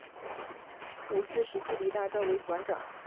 五四时期李大钊为馆长。